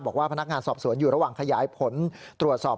บอกว่าพนักงานสอบสวนอยู่ระหว่างขยายผลตรวจสอบ